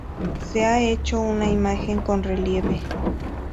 Se ah echo una imagen con relieve